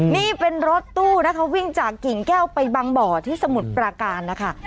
นี่เป็นรถตู้นะคะวิ่งจากกิ่งแก้วไปบางบ่อที่สมุทรปราการนะคะ